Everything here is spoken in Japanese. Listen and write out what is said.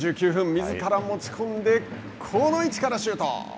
みずから持ち込んで、この位置からシュート。